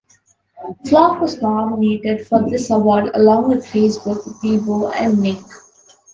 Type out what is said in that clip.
Flock was nominated for this award along with Facebook, Bebo and Ning.